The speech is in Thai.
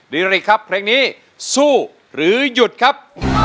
รีริกครับเพลงนี้สู้หรือหยุดครับ